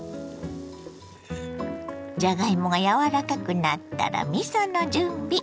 じゃがいもが柔らかくなったらみその準備。